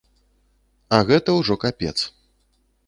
А гэта ўжо капец.